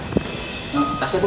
oh kasih bos